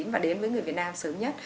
và đến với người việt nam sớm nhất